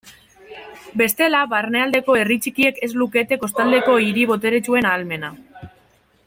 Bestela, barnealdeko herri txikiek ez lukete kostaldeko hiri boteretsuen ahalmena.